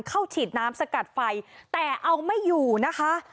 ฉีดน้ำสกัดไฟแต่เอาไม่อยู่นะคะ